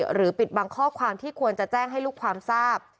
ปิดบางข้อความที่ควรจะแจ้งให้ลูกความทราบ